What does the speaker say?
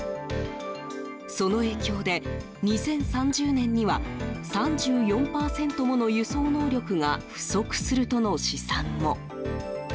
その影響で、２０３０年には３４％もの輸送能力が不足するとの試算も。